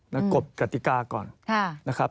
แล้วกดกฎิกาก่อนนะครับ